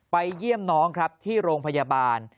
เยี่ยมน้องครับที่โรงพยาบาล